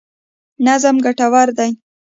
نظم ګټور دی.